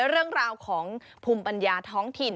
เรื่องราวของภูมิปัญญาท้องถิ่น